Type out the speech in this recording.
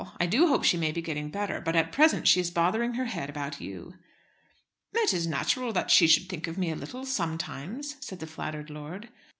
I do hope she may be getting better, but at present she is bothering her head about you." "It is natural that she should think of me a little sometimes," said the flattered lord.